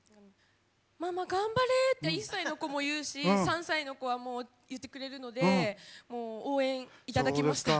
「ママ頑張れ」って２歳の子も言うし３歳の子は言ってくれるので応援いただきました。